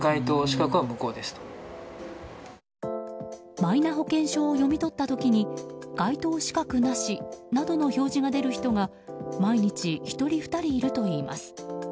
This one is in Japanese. マイナ保険証を読み取った時に該当資格なしなどの表示が出る人が毎日１人、２人いるといいます。